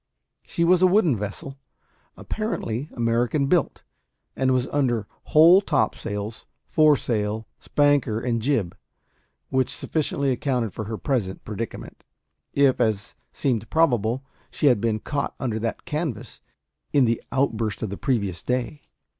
She was a wooden vessel, apparently American built, and was under whole topsails, foresail, spanker, and jib, which sufficiently accounted for her present predicament if, as seemed probable, she had been caught under that canvas in the outburst of the previous day.